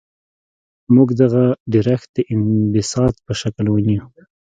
موږ دغه ډیرښت د انبساط په شکل وینو.